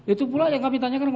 itu pula yang kami tanyakan